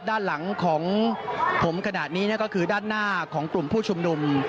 ด้านหลังของผมขณะนี้ก็คือด้านหน้าของกลุ่มผู้ชุมนุม